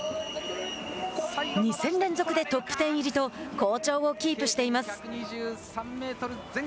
２戦連続でトップ１０入りと好調をキープしています。